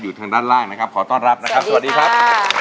ทางด้านล่างนะครับขอต้อนรับนะครับสวัสดีครับ